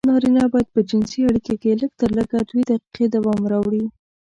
نارينه بايد په جنسي اړيکه کې لږترلږه دوې دقيقې دوام راوړي.